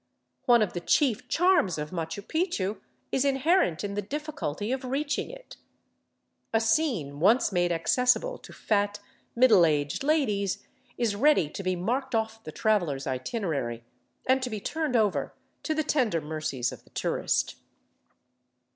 One of the chief charms of Machu Picchu is inherent in the difficulty of reaching it ; a scene once made accessible to f at^ middle aged ladies is ready to be marked off the traveler's itinerary and to be turned over to the tender mercies of the tourist.